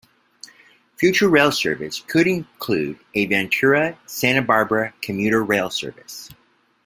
Future rail service could include a Ventura-Santa Barbara commuter rail service.